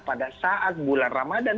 pada saat bulan ramadan